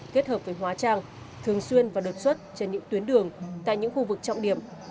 kết hợp với hóa trang thường xuyên và đột xuất trên những tuyến đường tại những khu vực trọng điểm